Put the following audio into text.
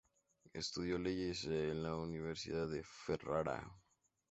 Estudió leyes en la universidad de Ferrara.